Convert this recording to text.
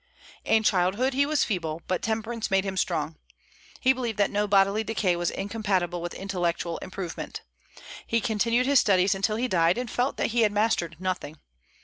In childhood he was feeble, but temperance made him strong. He believed that no bodily decay was incompatible with intellectual improvement. He continued his studies until he died, and felt that he had mastered nothing.